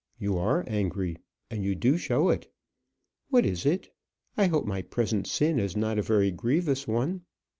You are angry, and you do show it. What is it? I hope my present sin is not a very grievous one.